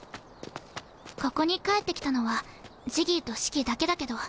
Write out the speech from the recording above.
ここに帰ってきたのはジギーとシキだけだけど。